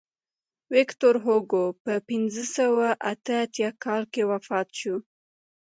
ویکتور هوګو په کال اته سوه پنځه اتیا کې وفات شو.